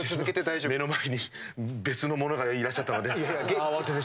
私の目の前に別の者がいらっしゃったので。